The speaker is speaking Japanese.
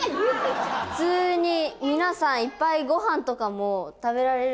普通に皆さんいっぱいごはんとかも食べられる。